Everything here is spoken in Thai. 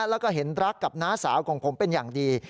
แล้วก็เห็นรักกับน้าสาวของผมเป็นอย่างดี